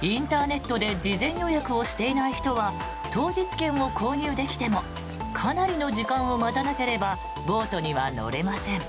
インターネットで事前予約をしていない人は当日券を購入できてもかなりの時間を待たなければボートには乗れません。